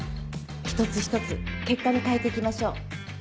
一つ一つ結果に変えて行きましょう。